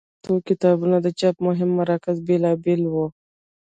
د پښتو کتابونو د چاپ مهم مراکز بېلابېل ول.